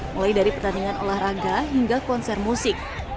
mulai dari pertandingan olahraga hingga konser musik